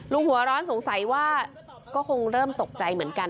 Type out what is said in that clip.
หัวร้อนสงสัยว่าก็คงเริ่มตกใจเหมือนกัน